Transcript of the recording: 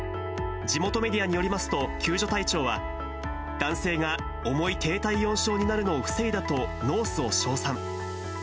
地元メディアによりますと、救助隊長は、男性が重い低体温症になるのを防いだとノースを称賛。